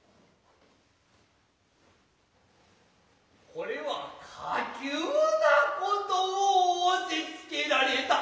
これは過急な事を仰せ付けられた。